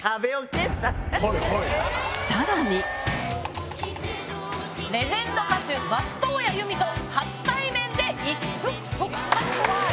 さらにレジェンド歌手松任谷由実と初対面で一触即発！